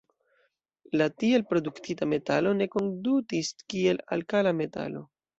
La tiel produktita metalo ne kondutis kiel alkala metalo.